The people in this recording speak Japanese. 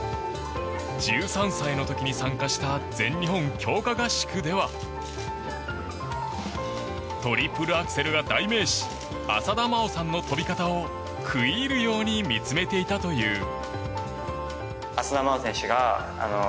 １３歳の時に参加した全日本強化合宿ではトリプルアクセルが代名詞浅田真央さんの跳び方を食い入るように見つめていたという。